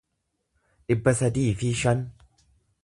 dhibba sadii fi shan